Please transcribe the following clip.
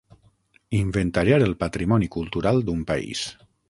Inventariar el patrimoni cultural d'un país.